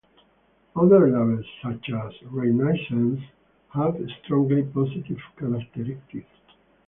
Other labels such as "Renaissance" have strongly positive characteristics.